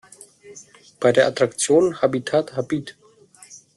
Bei der Attraktion Habitat Habit!